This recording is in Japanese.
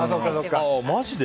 マジで？